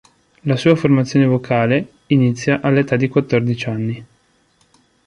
La sua formazione vocale, inizia all'età di quattordici anni.